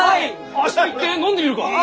明日行って飲んでみるか！